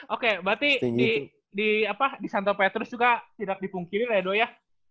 oke berarti di santo petrus juga tidak dipungkiri ledo ya